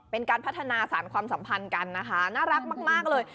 เป็นการพัฒนาสารความสัมพันธ์กันนะคะน่ารักมากเลย